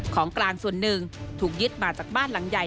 ของกลางส่วนหนึ่งถูกยึดมาจากบ้านหลังใหญ่